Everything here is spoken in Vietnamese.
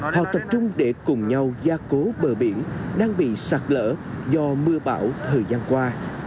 họ tập trung để cùng nhau gia cố bờ biển đang bị sạt lỡ do mưa bão thời gian qua